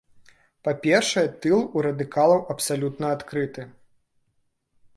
Па-першае, тыл у радыкалаў абсалютна адкрыты.